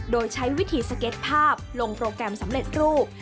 โดยใช้วิธีสเก็ตภาพลงโปรแกรมสำเร็จรูป